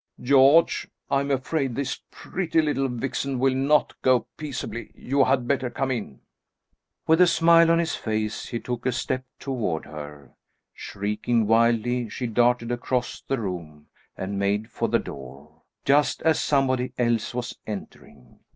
George, I am afraid this pretty little vixen will not go peaceably; you had better come in!" With a smile on his face, he took a step toward her. Shrieking wildly, she darted across the room, and made for the door, just as somebody else was entering it.